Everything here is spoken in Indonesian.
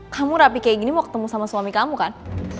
kamu rapi kayak gini mau ketemu sama suami kamu kan